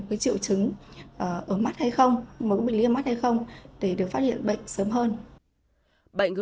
một cái triệu chứng ở mắt hay không một cái bệnh lý ở mắt hay không để được phát hiện bệnh sớm hơn